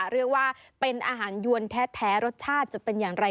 เรียกว่าเป็นอาหารยวนแท้รสชาติจะเป็นอย่างไร